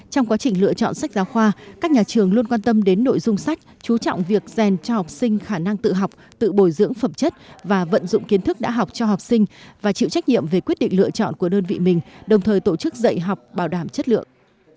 trong quá trình lựa chọn sách giáo khoa các nhà trường luôn quan tâm đến nội dung sách chú trọng việc rèn cho học sinh khả năng tự học tự bồi dưỡng phẩm chất và vận dụng kiến thức đã học cho học sinh và chịu trách nhiệm về quyết định lựa chọn của đơn vị mình đồng thời tổ chức dạy học bảo đảm chất lượng